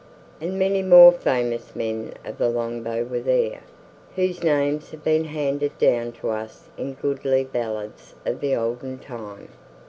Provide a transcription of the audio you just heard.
And many more famous men of the longbow were there, whose names have been handed down to us in goodly ballads of the olden time.